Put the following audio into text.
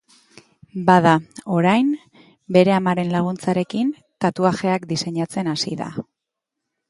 Bada, orain, bere amaren laguntzarekin, tatuajeak diseinatzen hasi da.